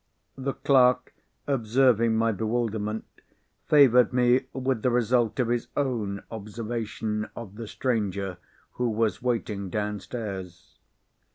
The clerk, observing my bewilderment, favoured me with the result of his own observation of the stranger who was waiting downstairs.